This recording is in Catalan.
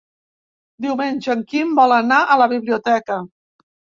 Diumenge en Quim vol anar a la biblioteca.